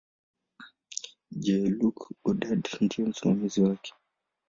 Jean-Luc Godard ndiye msimamizi wake.